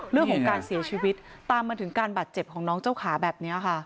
เรื่องของการเสียชีวิตตามมาถึงการบาดเจ็บของน้องเจ้าขาแบบนี้ค่ะ